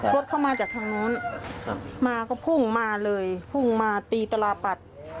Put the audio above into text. รถเข้ามาจากทางโน้นมาก็พุ่งมาเลยพุ่งมาตีตราปัด